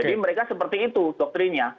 jadi mereka seperti itu doktrinya